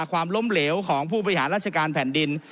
ความล้มเหลวของผู้บริหารราชการแผ่นดิน